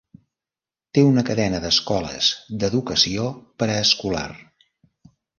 Té una cadena d'escoles d'educació preescolar.